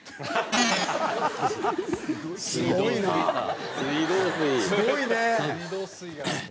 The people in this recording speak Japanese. すごいね。